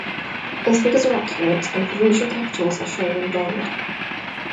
All figures are accurate and provincial capitals are shown in bold.